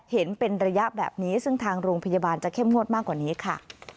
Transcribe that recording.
เห็นเป็นระยะแบบนี้ซึ่งทางโรงพยาบาลจะเข้มงวดมากกว่านี้ค่ะ